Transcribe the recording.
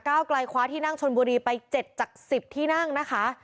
ไกลคว้าที่นั่งชนบุรีไป๗จาก๑๐ที่นั่งนะคะ